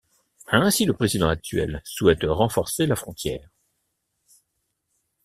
Ainsi, le président actuel souhaite renforcer la frontière.